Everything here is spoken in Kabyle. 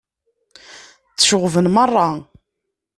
Tceɣɣben merra.